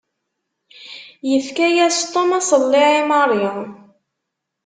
Yefka-yas Tom aṣelliɛ i Mary.